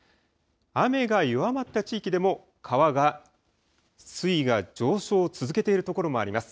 雨が弱まった地域でも川が水位が上昇を続けているところもあります。